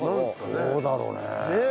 どうだろうね？